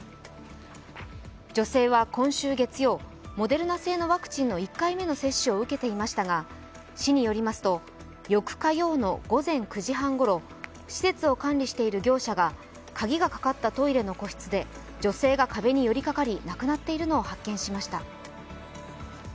女性は今週月曜、モデルナ製のワクチンの１回目の接種を受けていましたが市によりますと、８日夜の午前９時半ごろ施設を管理している業者が鍵がかかったトイレの個室で女性が壁によりかかり亡くなっているのを発見しました。